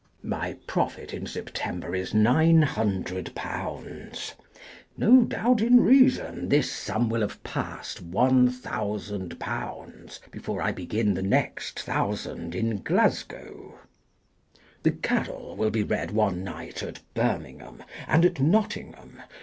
My profit in September is .£900. No doubt in reason this sum will have passed £1,000 before I begin the next Thousand in Glasgow. " The Carol " will be read one night at Birming ham, and at Nottingham.